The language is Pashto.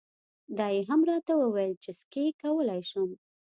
دا یې هم راته وویل چې سکی کولای شم.